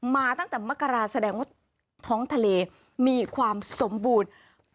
มาตั้งแต่มกราแสดงว่าท้องทะเลมีความสมบูรณ์